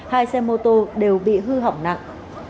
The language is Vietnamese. hai xe mô tô đều bị hư hỏng nặng